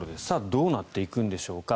どうなっていくんでしょうか。